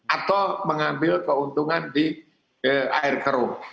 atau mengambil keuntungan di air keruh